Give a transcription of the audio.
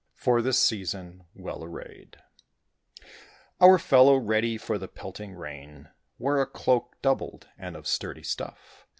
For this season well arrayed, Our fellow, ready for the pelting rain, Wore a cloak doubled, and of sturdy stuff.